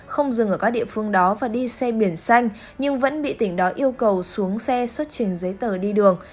không dừng ở các địa phương đó và đi xe biển xanh nhưng vẫn bị tỉnh đó yêu cầu xuống xe xuất trình giấy tờ đi đường